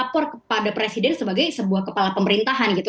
lapor kepada presiden sebagai sebuah kepala pemerintahan gitu